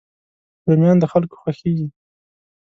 رومیان د خلکو خوښېږي